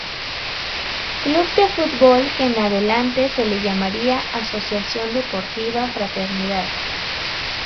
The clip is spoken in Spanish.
Club de fútbol que en adelante se le llamaría Asociación Deportiva Fraternidad.